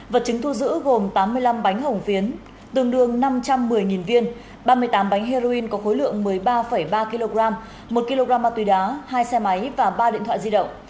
vật chứng thu giữ gồm tám mươi năm bánh hồng phiến tương đương năm trăm một mươi viên ba mươi tám bánh heroin có khối lượng một mươi ba ba kg một kg ma túy đá hai xe máy và ba điện thoại di động